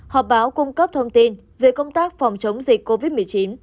họp báo cung cấp thông tin về công tác phòng chống dịch covid một mươi chín